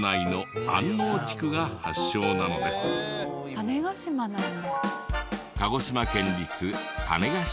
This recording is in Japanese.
種子島なんだ。